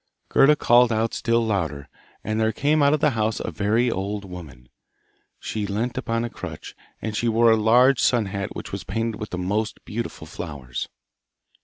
Gerda called out still louder, and there came out of the house a very old woman. She leant upon a crutch, and she wore a large sun hat which was painted with the most beautiful flowers.